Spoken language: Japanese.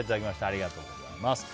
ありがとうございます。